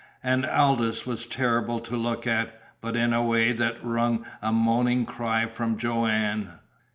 And Aldous was terrible to look at, but in a way that wrung a moaning cry from Joanne.